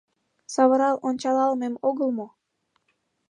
Савырал ончалалмем огыл мо?